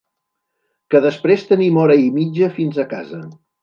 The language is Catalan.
Que després tenim hora i mitja fins a casa.